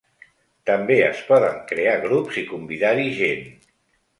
També es poden crear grups i convidar-hi gent.